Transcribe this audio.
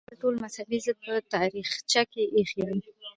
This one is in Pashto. دوی خپل ټول مذهبي ضد په تاخچه کې ایښی وي.